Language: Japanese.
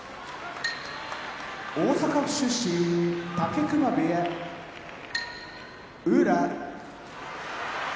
大阪府出身武隈部屋宇良